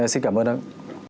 xin cảm ơn ông